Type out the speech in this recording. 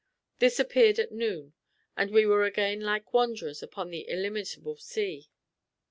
This disappeared at noon, and we were again like wanderers upon the illimitable sea.